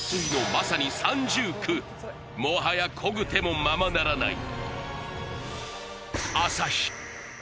まさにもはやこぐ手もままならない